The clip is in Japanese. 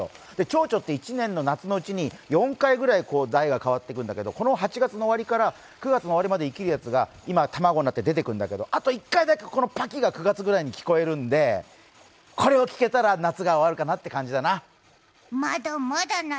ちょうちょって１年の夏のうちに４回くらい代変わるんだけど、８月の終わりから９月の頭に生まれるやつが今、卵になって出てくるんだけど、あと１回だけパキと聞こえるので、これを聞けたら夏が終わるかなっていう感じかな。